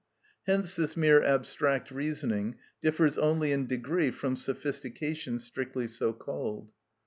Hence this mere abstract reasoning differs only in degree from sophistication strictly so called.